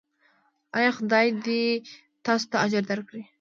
ایا خدای دې تاسو ته اجر درکړي؟